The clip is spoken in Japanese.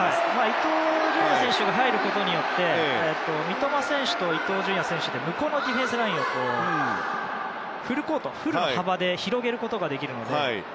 伊東純也選手が入ることによって三笘選手と伊東純也選手で向こうのディフェンスラインをフルコートフルの幅に広げられるので。